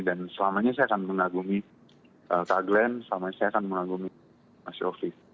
dan selamanya saya akan mengagumi kak glenn selamanya saya akan mengagumi mas yofi